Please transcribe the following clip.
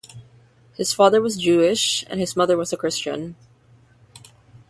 His father was Jewish and his mother was a Christian.